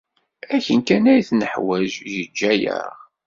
Akken kan ay t-neḥwaj, yejja-aɣ.